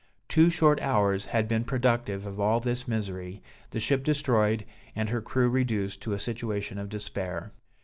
Two short hours had been productive of all this misery, the ship destroyed and her crew reduced to a situation of despair.